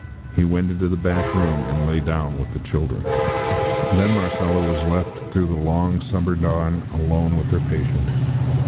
He went into the back room and lay down with the children. Then Marcella was left through the long summer dawn alone with her patient.